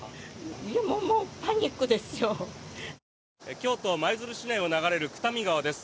京都・舞鶴市内を流れる久田美川です。